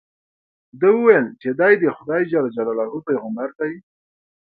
ده وویل چې دې د خدای جل جلاله پیغمبر دی.